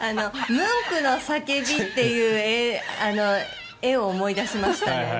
ムンクの「叫び」っていう絵を思い出しましたね。